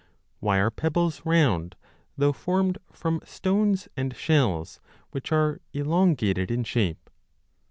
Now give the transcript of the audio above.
Why are pebbles round, though formed from stones and shells which are elongated in shape